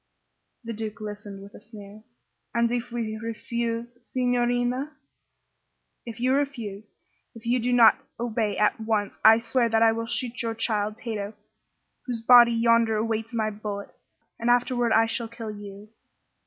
The Duke listened with a sneer. "And if we refuse, signorina?" "If you refuse if you do not obey at once I swear that I will shoot your child, Tato, whose body yonder awaits my bullet. And afterward I shall kill you."